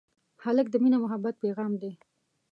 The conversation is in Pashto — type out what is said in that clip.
هلک د مینې او محبت پېغام دی.